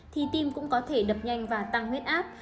thì tim cũng có thể đập nhanh và tăng huyết áp